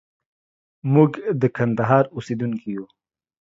موږ د کندهار اوسېدونکي يو.